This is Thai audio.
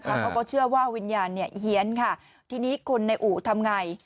เขาก็เชื่อว่าวิญญาณเนี่ยเฮียนค่ะทีนี้คนในอู่ทำไง